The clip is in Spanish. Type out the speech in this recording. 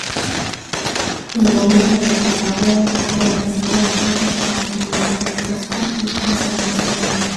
El gobierno de Carabobo ha realizado esfuerzos para su reforestación y preservación.